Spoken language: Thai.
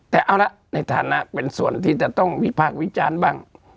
แต่เอาละในฐานะเป็นส่วนที่จะต้องวิพากษ์วิจารณ์บ้าง